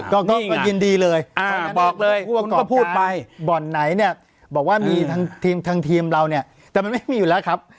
ก็ยินดีเลยบอกเลยก็พูดไปบ่อนไหนเนี่ยบอกว่ามีทางทีมเราเนี่ยแต่มันไม่มีอยู่แล้วครับ